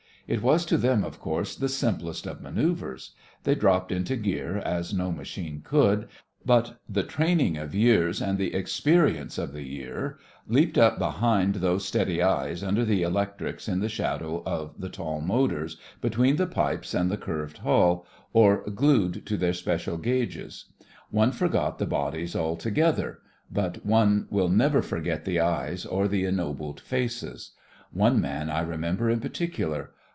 It was to them, of course, the simplest of manoeuvres. They dropped into gear as no machine could; but the training of years and the experience of the year leaped up behind those steady eyes under the electrics in the shadow of the tall motors, be tween the pipes and the curved hull, or glued to their special gauges. One forgot the bodies altogether — but one will never forget the eyes or the en nobled faces. One man I remember in particular.